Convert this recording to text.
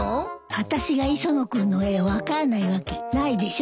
私が磯野君の絵を分かんないわけないでしょ。